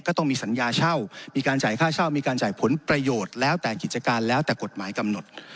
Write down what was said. ต้องมีสัญญาเช่ามีการจ่ายค่าเช่ามีการจ่ายผลประโยชน์แล้วแต่กิจการแล้วแต่กฎหมายกำหนด